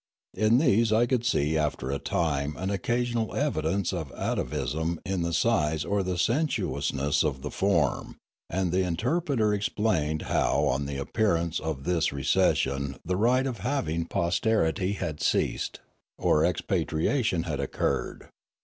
In these I could see after a time an occasional evidence of atavism in the size or the sensuousness of the form, and the interpreter explained how on the appearance of this recession the right of having posterity had ceased, or expatriation had occurred.